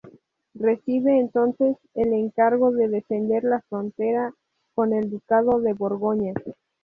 Recibe entonces el encargo de defender la frontera con el ducado de Borgoña.